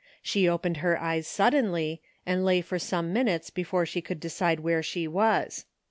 She opened her eyes suddenly, and lay for some minutes before she could decide where she was.